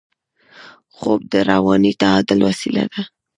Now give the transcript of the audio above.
خوب د رواني تعادل وسیله ده